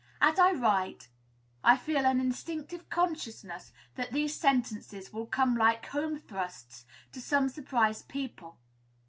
As I write, I feel an instinctive consciousness that these sentences will come like home thrusts to some surprised people.